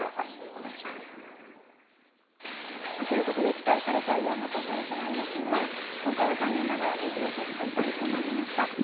期待された岩本選手なんですが、今回は残念ながら２次予選敗退となりました。